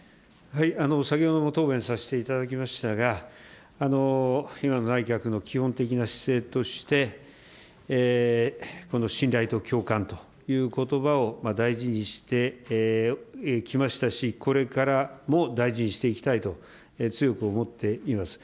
先ほども答弁させていただきましたが、今の内閣の基本的な姿勢として、信頼と共感ということばを大事にしてきましたし、これからも大事にしていきたいと強く思っています。